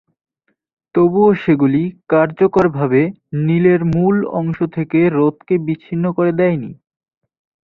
তবুও সেগুলি কার্যকরভাবে নীলের মূল অংশ থেকে হ্রদকে বিচ্ছিন্ন করে দেয়নি।